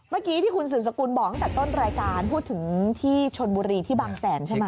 เมื่อกี้ที่คุณสืบสกุลบอกตั้งแต่ต้นรายการพูดถึงที่ชนบุรีที่บางแสนใช่ไหม